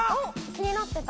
気になってた！